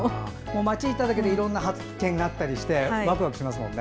町に行っただけでいろいろな発見があってワクワクしますもんね。